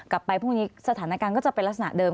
ไปพรุ่งนี้สถานการณ์ก็จะเป็นลักษณะเดิม